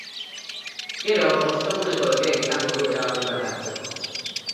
Gero bost eguneko epea izango du erabaki bat hartzeko.